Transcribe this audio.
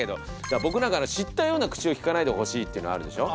僕なんか「知ったような口をきかないで欲しい」っていうのあるでしょ。